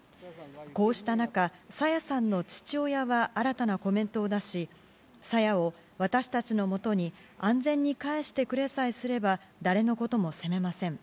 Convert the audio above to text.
こうした中、朝芽さんの父親は、新たなコメントを出し、朝芽を私たちの元に安全に帰してくれさえすれば、誰のことも責めません。